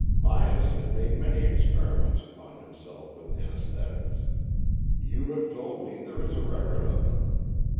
Myas had made many experiments upon himself with anaes thetics. You have told me there is a record of them.